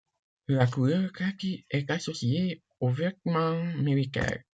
La couleur kaki est associée aux vêtements militaires.